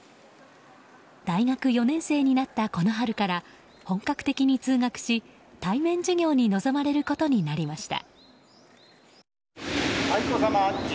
大学４年生になったこの春から本格的に通学し対面授業に臨まれることになりました。